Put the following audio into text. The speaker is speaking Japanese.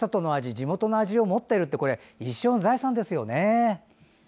地元の味を持ってるって一生の財産ですよね。